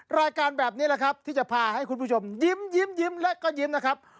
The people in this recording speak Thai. รายการแบบนี้แหละครับที่จะพาให้คุณผู้ชมยิ้มและก็ยิ้มนะครับ